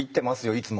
いつも。